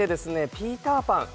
「ピーターパン」